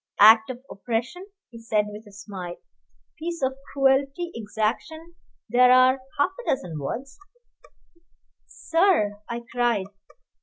"Act of oppression," he said, with a smile "piece of cruelty, exaction there are half a dozen words " "Sir " I cried.